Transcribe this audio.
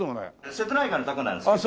瀬戸内海のたこなんですけどね。